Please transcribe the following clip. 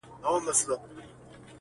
که نسيم الوزي اِېرې اوروي؛